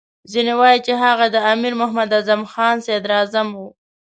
ځینې وایي چې هغه د امیر محمد اعظم خان صدراعظم وو.